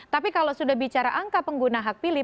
tapi kalau sudah bicara angka pengguna hak pilih